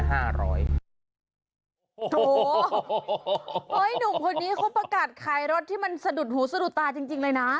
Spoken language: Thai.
โอ้โฮโอ้โฮโอ้โฮโอ๊ยหนุ่มคนนี้เค้าประกาศขายรถที่มันสะดุดหูสะดุดตาจริงเลยนะ